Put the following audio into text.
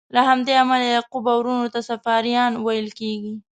له همدې امله یعقوب او وروڼو ته صفاریان ویل کیږي.